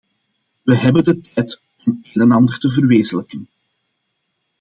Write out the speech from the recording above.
Wij hebben de tijd om een en ander te verwezenlijken.